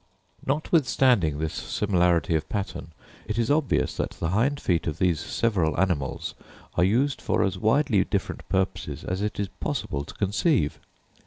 Notwithstanding this similarity of pattern, it is obvious that the hind feet of these several animals are used for as widely different purposes as it is possible to conceive.